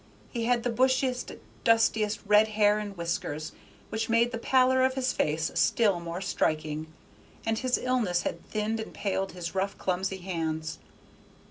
He had the bushiest, dustiest red hair and whiskers, which made the pallor of his face still more striking, and his illness had thinned and paled his rough, clumsy hands.